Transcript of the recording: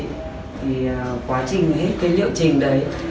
thì quá trình hết cái liệu trình